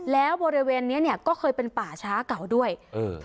แล้วบริเวณเนี้ยเนี้ยก็เคยเป็นป่าช้าเก่าด้วยเออ